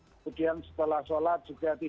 kemudian setelah sholat juga